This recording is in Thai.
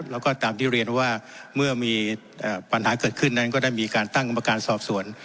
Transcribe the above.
แล้วก็ตามที่เรียนว่าเมื่อมีปัญหาเกิดขึ้นนั้นก็ได้มีการตั้งกรรมการสอบสวน